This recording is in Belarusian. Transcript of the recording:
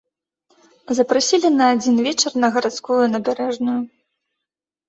Запрасілі на адзін вечар на гарадскую набярэжную.